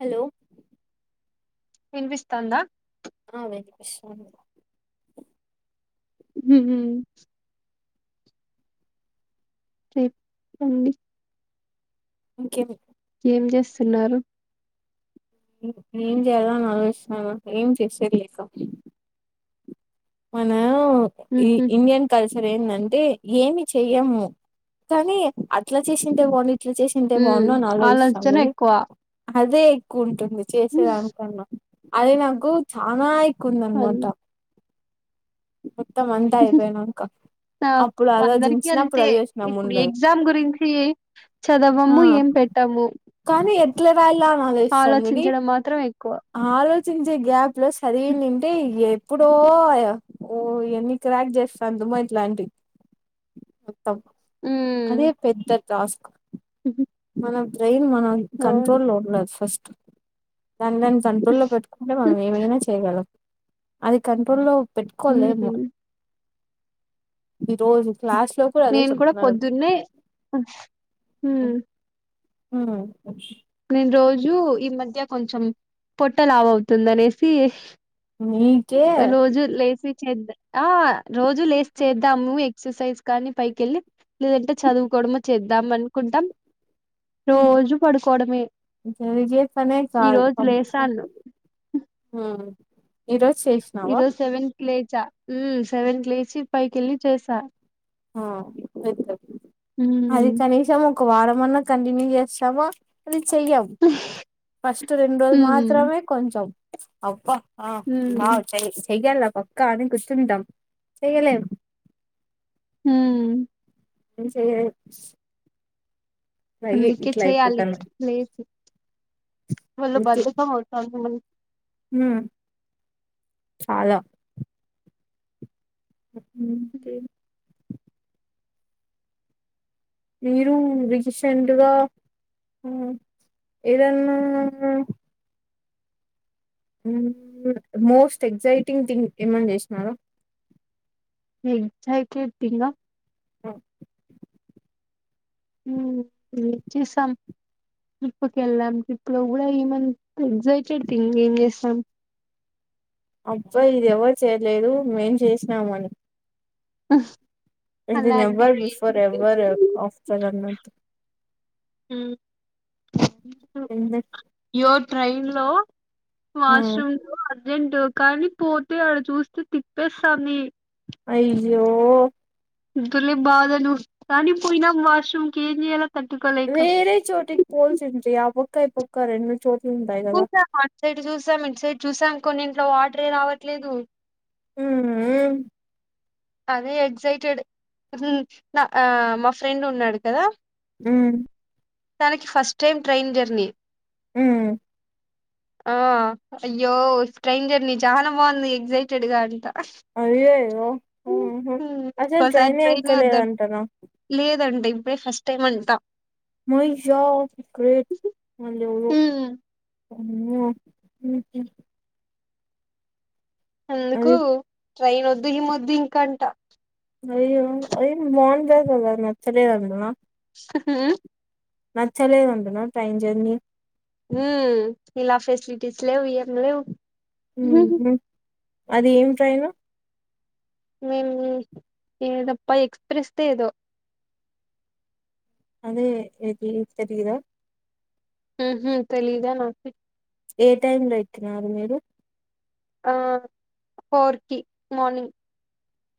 Hello వినిపిస్తుందా ఆ వినిపిస్తుందండి హ్హ్ సేమ్ చెప్పండి ఓకే ఏం చేస్తున్నారు ఏం చేయాలని ఆలోచిస్తాన్న ఏం చేసేది లేక మన ఉహు ఇండియన్ కల్చర్ ఏందంటే ఏమి చెయ్యము కానీ అట్లా చేసింటే అని అట్లా చేసింటే ఉ బాగుండు అని ఆలోచిస్తాం ఆలోచన గదా ఎక్కువ అదే ఎక్కువ ఉంటుంది చేసేదానికన్నా అదే నాకు చాల ఎక్కువ అన్ ఉందాన్నమాట మొత్తం అంతా అయిపోయినంకా ఆ అందరికి అంతే ఇప్పుడు ఉండదు ఎగ్జామ్ గురించి ఆ చదవము ఏం పెట్ట ము కానీ ఎట్ల వ్రాయాలని ఆలోచిస్తాం గానీ మాత్రం ఎక్కువ ఆలోచన చించే గ్యాప్ లో సదివిందింటే ఎప్పుడో ఆ ఓ ఎన్ని క్రాక్ చేస్తా తమ్మో ఇట్లాంటి ఆ ఉ అదే పెద్ద టాస్క్ మన బ్రెయిన్ మనం అవును కంట్రోలో ఉండాలి ఫస్ట్ దాన్ని నేను కంట్రోల్లో పెట్టుకుంటే మనం ఏమైనా చేయగలం అది కంట్రోల్లో పెట్టుకోలేము ఉమ్ ఈ రోజు క్లాస్ లో అదే నేను కూడా చెప్తున్నారు పొద్దున్నే ఉమ్ ఉమ్ నేను రోజు ఈ మధ్య కొంచెం పొట్ట లావవుతుంది అనేసి నీకే రోజు లేసి చేద్ద ఆ రోజు లేస్ చేద్దాము ఎక్సర్సైజ్ కానీ పైకేళ్ళి లేదంటే చదువుకో కోడమ చేద్దాం అనుకుంటాం రోజు పడు చేసే పనే ఈ కాదు రోజు ఉమ్ లేసాను ఈరోజ్ ఈ రోజు సెవెన్ లేచా సెవెన్ లేచి పైకిళ్ళి చేసా ఆ అది మ్మ్ చనిషము క్వారం అన్నా కంటిన్యూ చేస్తామో లి చెయ్యం ఫస్ట్ రెండు రోజులు మ్మ్ మాత్రమే కొంచెం అబ ఆ మ్మ్ మాక్ తెలీదు చేయాల్న ఒక్క అని కూసన్టాం చెయ్యలేము ఉమ్ [unintelligible] అందుకే ఇట్లా చెయ్యలి అయిపోతాను లేసి ఒళ్ళు అందుకే బద్దకం అవుతుంది మళ్ళీ ఉమ్ చాలా క [unintelligible] మీరు రీసెంట్ గా ఉమ్ ఏదన్నా ఉమ్ మోస్ట్ ఎగ్జైటింగ్ థింగ్ ఏమన్నా చేసినార ఉమ్ ఎగ్జైటెడ్ త్తింగ్ ఆ ఉ ఉమ్ వి చీసం ట్రిప్పుకేళ్ళాం ట్రిప్పులో కూడా ఏమంత ఎగజైటెడ్ తింగ్ ఏం చేస్తాం అబ్బాయి ఇది ఎవరు చేయలేదు మేం చేసినామని ఆ ఇది నెవ్వర్ బిఫోర్ ఎవ్వర్ ఆఫ్టర్ అన్నట్టు ఆ యెర్ ట్రైన్ లో వాష్రూమ్ లో అద్ రెండు కాలి పోతే ఆడ చూస్తే తిప్పేస్తాంది అయ్యో దులే బాదలు అని పోయినం వాష్రూమ్ కి ఏం చేయాల వేరే చోటికి పోల్సింది ఆ పక్క ఈ పక్క రెండు చోట్ల చూసాం అటు సైడ్ చూసాం ఇటు సైడ్ చూసాం కొన్ని ఇంట్లో వాటరే రావట్లేదు ఉమ్ అదే ఎక్సైటెడ్ మ్ నా మా ఫ్రెండ్ ఉన్నాడు కదా ఉమ్ తనకి ఫస్ట్ టైం ట్రైన్ జర్నీ ఉమ్ ఆ అయ్యో స్ట్రైంజర్నీ చానా బాగుంది ఎక్సైటెడ్ గా అంట అయ్యయ్యో ఉమ్, ఉహు అసలు ఇంకోసారి ట్రైనే ఎక్కలేదంటన అంట ఇప్పుడే ఫస్ట్ టైం అంటం మహిషా గ్రేట్ వాళ్ళు ఎవరో ఉమ్, ఆమ్మో ఊహ్మ్మ్ ఎందుకు అది ట్రైన్ వద్దు ఏమొద్దు ఇంక అంట అయ్యో ట్రైన్ బాగుంటది కదా నచ్చలేదంద హ్మ్మ్ నచ్చలేదంటన ట్రైన్ జెర్నీ ఉమ్ ఇలా ఫెసిలిటీస్ లేవ్ ఏం లేవ్ ఉహు అది ఏం ట్రైను మేమ్ ఏదప్ప ఎక్స్ప్రెస్ దే ఏదో అదే ఏది తెలీదా ఆహ్మ్మ్ తెలిదా నాకు ఏ టైమ్ లో ఎక్కినారు మీరు ఆ ఫోర్ కి మార్నింగ్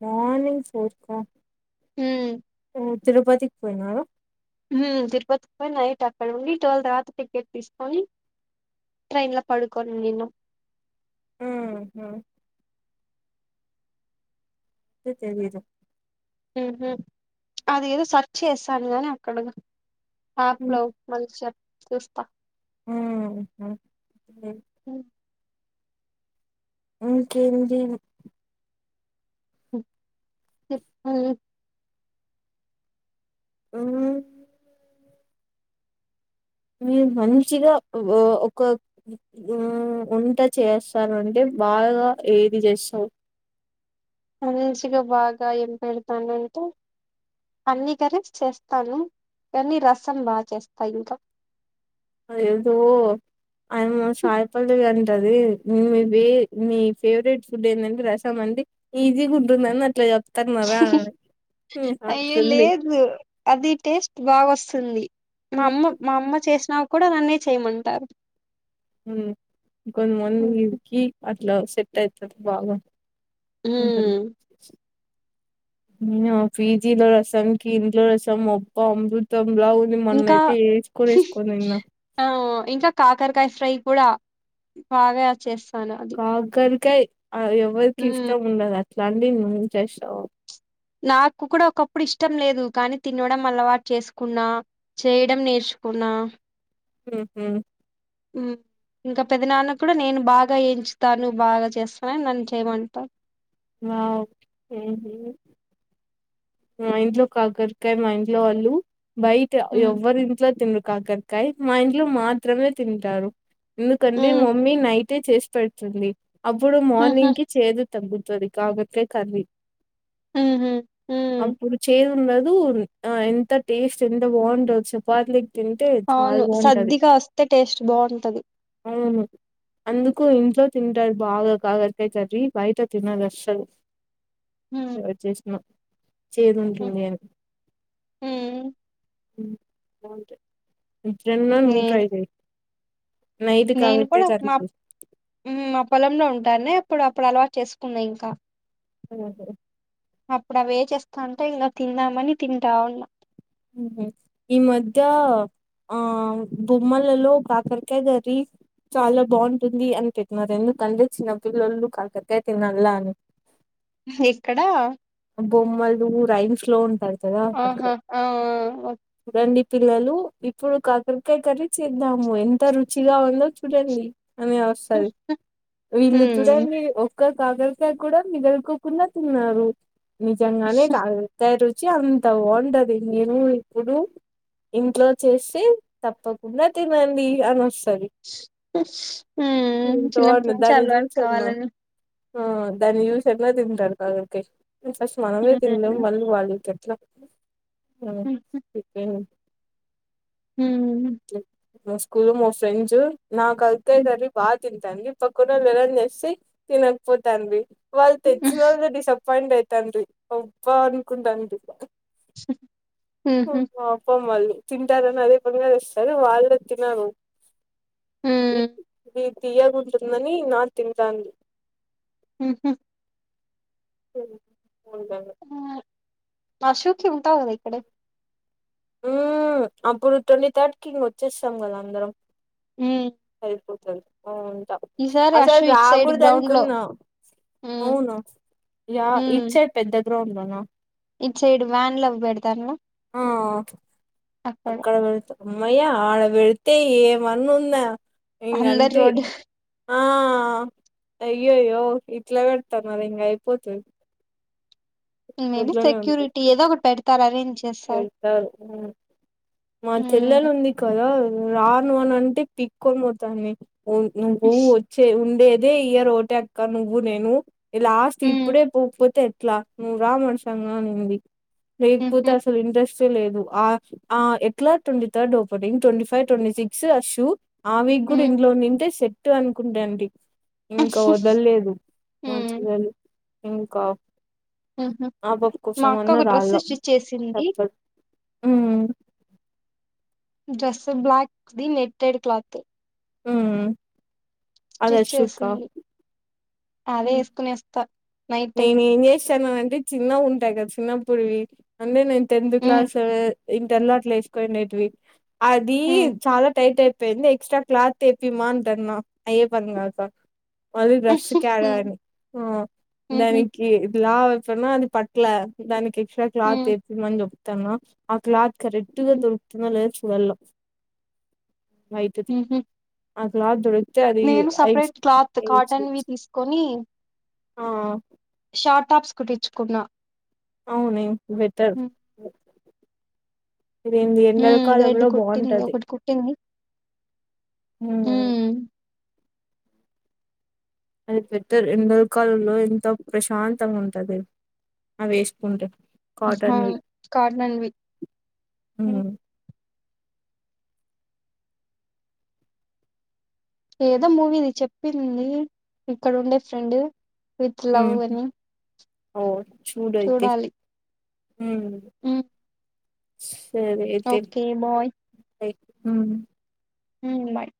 మార్నింగ్ ఫోర్కా ఉమ్ తిరుపతికి పోయినార ఉమ్ తిరుపతికి పోయి నైట్ అక్కడే ఉండి ట్వెల్ తర్వాత టికెట్ తీసుకొని ట్రైన్ లో పడుకొని నినం ఆహా లే తెలిదు అది ఏదో సర్చ్ చేశాను గాని అక్కడగా ఆప్లో హ్మ్. మంచి యాప్ చూస్తా అహ ఉమ్మ్ ఇంకేంది చెప్పు ఉ మీరు మంచిగా వో ఒక ఆ వంట చేస్తను అంటే బాగా ఏది చేస్తవు మంచిగా బాగా ఏం పెడతానంటే అన్ని కర్రీస్ చేస్తాను కానీ రసం బా చేస్తా ఇంకా అదేదో అయమ్మ సాయి పల్లవి అనింది టది మేబి మీ ఫేవరెట్ ఫుడ్ ఏందంటే రసం అంది ఈజీగా ఉంటుందని అట్లా చె తన్నరా అని అయ్యో అట్లుంది లేదు అది టేస్ట్ బాగా వస్తుంది మా హ్మ్. అమ్మ మా అమ్మ చేసినా కూడా నన్నే చేయమంటారు ఇంకొంత ఉహు. మందికి అట్లా సెట్ అవుతుంది బాగా టది ఉమ్ ఫీజీలో రసం కీ ఇంట్లో రసం అబ్బా అమూర్తుమ్ ఇంకా తిన్న ఆ ఇంకా కాకరకాయ ఫ్రై కూడా బాగా యాక్టచేసి కాకరకాయ్ ఎవరికి ఉమ్ ఇష్టం ఉండదు అట్లాంటి నువ్ చేస్తావు నాకు కూడా ఒకప్పుడు ఇష్టం లేదు కానీ తినడం అలవాటు చేసుకున్నా చేయడం నేర్చుకు ఉనా హ హ్నమ్ ఉమ్మ్ ఇంకా పెద్ద నాన్న కూడా నేను బాగా ఎయించుతానువవు బాగా చేస్తానని నన్ను చేయమంట ఓకే మా ఇంట్లో కాగరకాయ మా ఇంట్లో వాళ్ళు బయట హ్మ్ ఎవరి ఇంట్లో తినరు కాకరకాయ మా ఇంట్లో మాత్రమే తింటారు హ్మ్ ఎందుకంటే మమ్మీ నైట్ చేసి పెడుతుంది అప్పుడు హుహు మార్నింగ్కి చేదు తగ్గుతుంది కాబట్టే కర్రీ ఉహూ అప్పుడు చేదు ఉండదు ఆ ఎంత టేస్ట్ ఎంత బాగుంటో చపాతిల తింటే చాలా అవును బాగుంటది సద్దిగా వస్తే టేస్ట్ బావుంటది. అవును అందుకు ఇంట్లో తింటారు బాగా కాకరకాయ కర్రీ బయట తినరు అస్సలు హ్మ్ వచ్చేసినయి చేదు హ్మ్ ఉంటుంది అది హ్మ్ బావుంటాయి అట్లే నే ఉంటాయి లే నేను కూడా మా మా పొలంలో ఉంటానే ఇప్పుడు అప్పుడు అలా చేసుకున్నా ఇంకా ఓహో అప్పుడు అవే చేస్తాంటే ఇలా తిందామని తింటా ఉన్నా హ్మ్మ్ ఈ మధ్య ఆ బొమ్మలలో కాకరకాయ బెట్టి చాలా బాగుంటుంది అని తిట్న్నారు ఎందుకంటే చిన్నపిల్లలు కాకర కాయ తినాల అని ఎక్కడా బొమ్మలు [unintelligible] ఆహా ఆ రండి పిల్లలు ఇప్పుడు కాకరకాయ కర్రీ చేద్దాము ఎంత రుచిగా ఉందో చూడండి ఆ వస్తాను వీళ్ళు హ్మ్ చూడండి ఒక్క కాకలకాయ కూడా మిగులుకోకుండా తిన్నారు నిజంగానే కాకర కాయ రుచి చ్చ ఉంటాయా అండి నేను ఇప్పుడు ఇంట్లో చేసి తప్పకుండా తినండి అని వస్తు అది హ్మ్ చిన్నప్పటి [unintelligible] నుంచి దాని చూసి అలవాటు చెప్పు కావాలని ఆ దాని చూసి ఎట్లా తింటారు అడికి ఫస్ట్ మనమే తినలేము మళ్ళీ వాళ్ళుతు హుమ్ మా స్కూల్ మా ఫ్రెండ్స్ నా కయితే హుహు. [unintelligible] తింటాను పక్కన వాళ్ళు ఎలా చేసి తినకపోతాను వాళ్ళు తెచ్చిన వాళ్ళ డిష్ తేండితేండి ఉప్మా అన్కుంటండి హ్మ్. పాపం మళ్ళీ తింటారని అదే పనింగా ఇస్తారు వాళ్ళు తినరు తీయకుంటుందని నాది తింటాంది ఉహూ అవు [inaudible] వర్షం వస్తే ఉంటావు కదా ఇక్కడే ఉ అప్పుడు ట్వంటీ థర్ట్ కి ఇంకొచ్చేస్తాం కదా అందరం ఉమ్ వు ఉంటా అసలు ఇటు సైడ్ రాకూడదను గ్రౌండ్‌లో కున్నా హ్మ్. అవునా యా ఇచ్చే పెద్ద గ్రౌండ్ లోన ఇట్ సైడ్ వ్యాన్ వబడతారు ఆ అక్కడ వెళ్తు అమ్మో ఐతే ఏమన్న ఉందా ఇంగ అందర్ అంతే రోడ్ ఆ అయ్యోయ్యో ఇట్లా పెడతాను మది ఇంకా అయిపోతుంది మేబీ సెక్యూరిటీ ఏదో ఒకటి పెడతారరే పెడ్తరు మా చెల్లెలు హ్మ్. ఉంది కదా నువ్వు రాను అని అంటే పీక్కొనిపోతావ్ నువ్వు వచ్చే ఉండే ఇదే ఇయర్ ఉంటే అక్క నువ్వు నేను లాస్ట్ హ్మ్. ఇప్పుడే పోపోతే ట్లా నువ్ రామ్ అర్సాంగా నిది ర పూత హుహు. ఇండస్ట్రీ లేదు ఆ ఎట్లా twenty third opening twenty five twenty six అశూ ఆ వీక్ కూడా హ్మ్. ఇంట్లో ఉండుడుటే సెట్ అనుకుంటాండి ఇంకా వదల్లేదు హ్మ్. మంచిదని ఇంకా హుహు. ఆ పాపం మా కోసం అక్క అన్న ఒక డ్రెస్ రాళ్లో స్టిచ్ చేసింది. మ్మ్ dress black the netted cloth ఉమ్మ్ స్త్రీచ్ చేసింది అదే వేసుకోనే వస్తా నేను ఏం చేస్తాను అంటే చిన్న ఉంటాయి కదా చిన్నప్పటివి అంటే నేను టెన్త్ హ్మ్. క్లాస్ ఇంటర్ లో అట్లా వేసుకుండేటివి అది హ్మ్. చాలా టైట్ అయి ఎక్స్ట్రా క్లాత్ తెప్పిమఅంటన అయ్యే పన్నాతో మళ్ళీ డ్రెస్ కడ హ్మ్. అని హుహు. దానికి లావు అయితాన్న అది పట్ల దానికి ఎక్స్ట్రా క్లాత్ ఉమ్, తెప్పియమని చెప్తాన ఆ క్లాత్ కరెక్ట్ గా ఉమ్, దొరుకుతుందో లేదో చూడాలా వైట్ ది ఉమ్హు. ఆ క్లాత్ దొరుకుతే అది నేను ఎచ్ సపరేట్ క్లాత్ ఎచ్ కాటన్వి తీసుకొని ఆ షార్ట్ టాప్స్ కుట్టించుకున్నా అవును బెటర్ మెయిన్ ఎండల ఉమ్ రెడ్ కాలంలో కుట్టింది బాగుంటది ఒకటి కుట్టింది హమ్మ్ ఉమ్ అది బెటర్ ఎండ కలుల్లో ఎంత ప్రశాంతంగా ఉంటది అవి వేసుకుంటే కాటన్వి అవును కాటన్వి మ్మ్ ఏదో మూవీది చెప్పింది ఇక్కడ ఉండే ఫ్రెండ్ విత్ లవ్ ఉమ్ అని ఓ చూడు అయితే మ్మ్ ఓకే బాయ్ బాయ్ మ్మ్ మ్మ్ బాయ్